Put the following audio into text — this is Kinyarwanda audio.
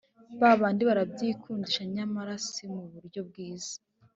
Ba bandi barabyikundisha nyamara si mu buryo bwiza